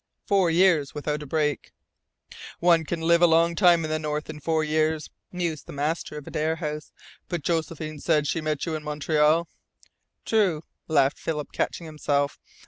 "Four years without a break." "One can live a long time in the North in four years," mused the master of Adare. "But Josephine said she met you in Montreal?" "True," laughed Philip, catching himself.